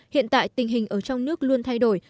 hiện tại tình hình ở trong nước luôn thay đổi